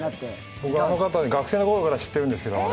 僕は学生のころから知っているんですけどね。